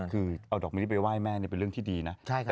คือเอาดอกมะริไปไหว้แม่เนี้ยเป็นเรื่องที่ดีนะใช่ครับ